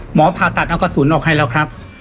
ผ่าตัดเอากระสุนออกให้แล้วครับ